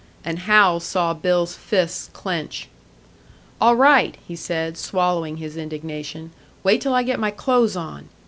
And Hal saw Bill's fists clench. "All right," he said, swallowing his indignation. "Wait till I get my clothes on."